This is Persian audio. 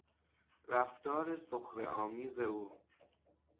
رفتار سخره آمیز او